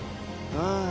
ああ。